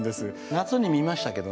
夏に見ました。